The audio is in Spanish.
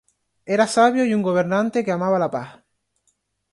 Era sabio y un gobernante que amaba la paz.